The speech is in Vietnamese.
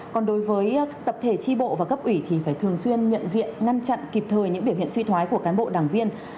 còn đối với tập thể tri bộ và cấp ủy thì phải thường xuyên nhận diện ngăn chặn kịp thời những biểu hiện suy thoái của cán bộ đảng viên